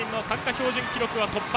標準記録は突破。